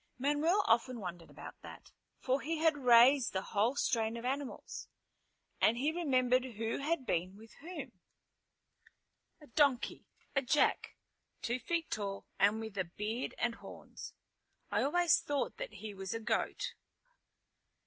Manuel often wondered about that, for he had raised the whole strain of animals, and he remembered who had been with whom. "A donkey! A jack! Two feet tall and with a beard and horns. I always thought that he was a goat."